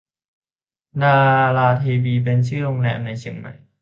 ดาราเทวีเป็นชื่อโรงแรมในเชียงใหม่